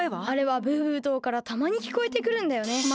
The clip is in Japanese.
あれはブーブー島からたまにきこえてくるんだよね。